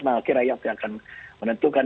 dan akhirnya rakyat akan menentukan